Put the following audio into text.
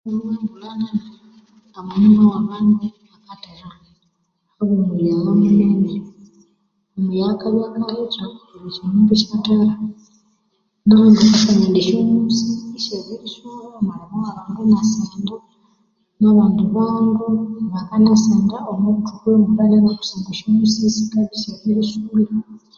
Ahabwe embulha nene emanyumba wa bandu akathera ahabwa omuyagha munene omuyagha akabya akahitha neryo esya nyumba isyathera nawandi akasangana esya nyusi isyabiri sulha, amalima wa bandu inasenda nabandi bandu bakanasenda omwa buthuku bwe embulha kusangwa esya nyusi sikabya isyabirisulha.